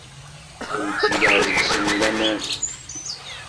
Ur ttgeɣ deg-sen laman.